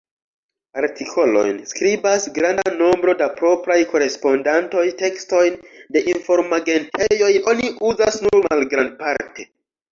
Artikolojn skribas granda nombro da propraj korespondantoj; tekstojn de informagentejoj oni uzas nur malgrandparte.